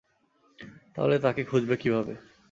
তাহলে তাকে খুঁজবে কীভাবে?